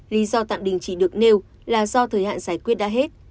lý do tạm đình chỉ được nêu là do thời hạn giải quyết đã hết